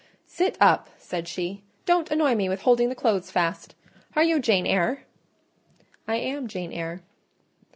"Sit up!" said she; "don't annoy me with holding the clothes fast. Are you Jane Eyre?" "I am Jane Eyre."